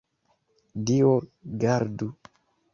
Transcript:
Dio gardu!